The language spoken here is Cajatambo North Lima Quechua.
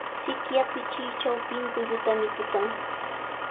Sikya pichaychaw pinkullutami tukan.